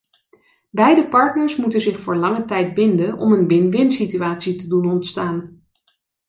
Beide partners moeten zich voor lange tijd binden om een win-winsituatie te doen ontstaan.